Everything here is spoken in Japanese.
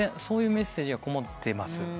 そういうメッセージがこもっています。